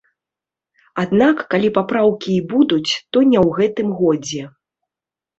Аднак, калі папраўкі і будуць, то не ў гэтым годзе.